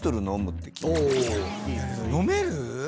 飲める？